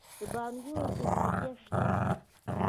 د بانکونو اتحادیه شته؟